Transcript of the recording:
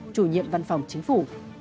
chủ nhiệm văn phòng chính phủ